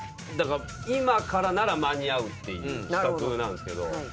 今からなら間に合うっていう比較なんですけど。